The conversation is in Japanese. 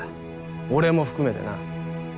俺も含めてな。